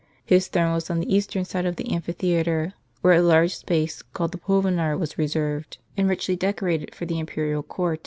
His throne was on the eastern side of the amphitheatre, where a large space, called the imlmnar, was reserved, and richly decorated for the imperial court.